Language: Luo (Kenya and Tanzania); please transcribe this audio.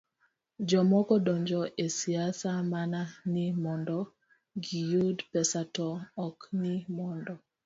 Jomoko donjo e siasa mana ni mondo giyud pesa to ok ni mondo